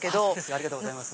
ありがとうございます。